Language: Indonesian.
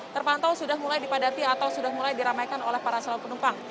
terpantau sudah mulai dipadati atau sudah mulai diramaikan oleh para calon penumpang